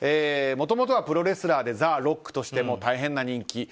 もともとはプロレスラーでザ・ロックとしても大変な人気。